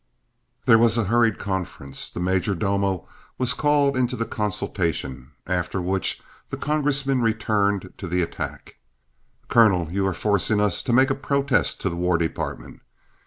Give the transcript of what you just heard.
There was a hurried conference. The "major domo" was called into the consultation, after which the congressman returned to the attack. "Colonel, you are forcing us to make a protest to the War Department.